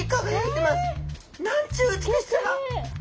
なんちゅう美しさだ！